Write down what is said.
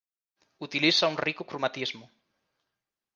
Utiliza un rico cromatismo.